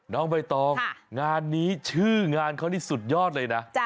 น้องใบตองงานนี้ชื่องานเขานี่สุดยอดเลยนะ